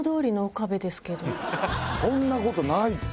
そんなことないって！